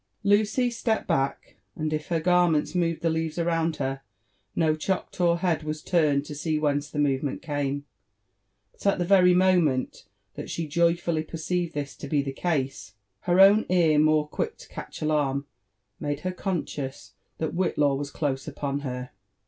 Lucy stepped back ; and if her garments moved the leaves around her, no Choctaw head was turned to see whence the movement came; but at the very moment that she joyfully perceived this to be the case, her own ear, more quick to catch alarm, made her conscious that Whitlaw was close upon her.